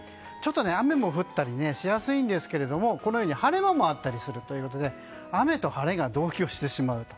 雨も降ったりしやすいんですがこのように晴れ間もあったりするということで雨と晴が同居してしまうと。